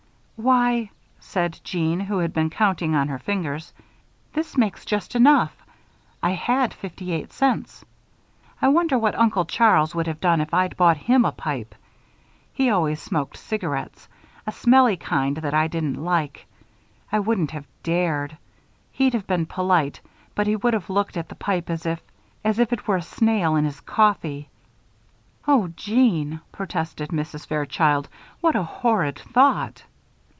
"Why!" said Jeanne, who had been counting on her fingers, "this makes just enough. I had fifty eight cents. I wonder what Uncle Charles would have done if I'd bought him a pipe. He always smoked cigarettes a smelly kind that I didn't like. I wouldn't have dared. He'd have been polite, but he would have looked at the pipe as if as if it were a snail in his coffee!" "Oh, Jeanne!" protested Mrs. Fairchild. "What a horrid thought!"